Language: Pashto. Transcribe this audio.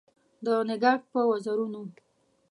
د نګهت په وزرونو